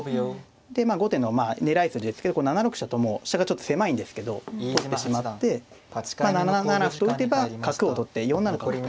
でまあ後手の狙い筋ですけど７六飛車ともう飛車がちょっと狭いんですけど取ってしまって７七歩と打てば角を取って４七角と。